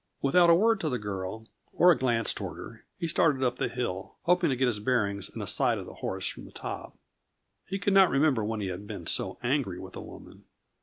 Without a word to the girl, or a glance toward her, he started up the hill, hoping to get his bearings and a sight of the horse from the top. He could not remember when he had been so angry with a woman.